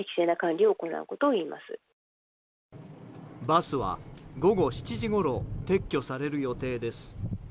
バスは午後７時ごろ撤去される予定です。